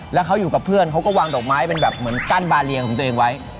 แล้วเขาอยู่กับเพื่อนเขาก็วางดอกไม้เป็นแบบเหมือนกั้นบาเลียงของตัวเองไว้